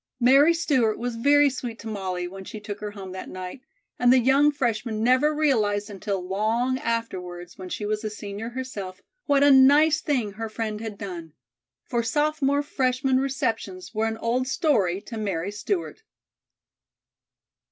Mary Stewart was very sweet to Molly when she took her home that night, and the young freshman never realized until long afterwards, when she was a senior herself, what a nice thing her friend had done; for sophomore freshman receptions were an old story to Mary Stewart.